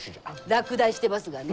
落第してますがね。